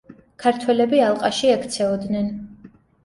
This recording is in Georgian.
ქართველები ალყაში ექცეოდნენ.